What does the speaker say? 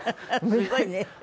すごいね。